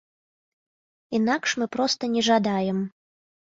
Інакш мы проста не жадаем.